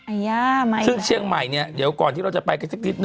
อัยยะมาอีกแล้วซึ่งเชียงใหม่เนี่ยเดี๋ยวก่อนที่เราจะไปกันนิด๑